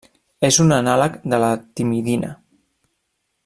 És un anàleg de la timidina.